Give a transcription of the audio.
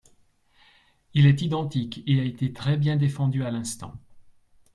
Il est identique et a été très bien défendu à l’instant.